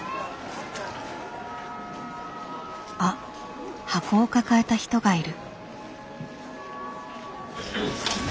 あっ箱を抱えた人がいる。